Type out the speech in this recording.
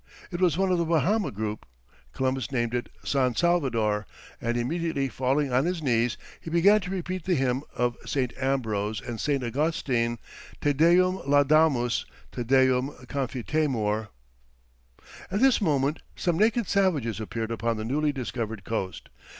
It was one of the Bahama group; Columbus named it San Salvador, and immediately falling on his knees, he began to repeat the hymn of Saint Ambrose and Saint Augustine: "Te Deum laudamus, Te Deum confitemur." At this moment, some naked savages appeared upon the newly discovered coast.